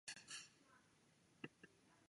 没有多余的位子